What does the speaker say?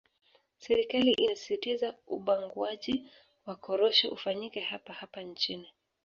Serikali inasisitiza ubanguaji wa korosho ufanyike hapa hapa nchini